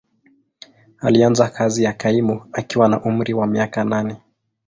Alianza kazi ya kaimu akiwa na umri wa miaka nane.